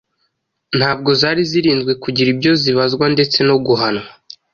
ntabwo zari zirinzwe kugira ibyo zibazwa ndetse no guhanwa.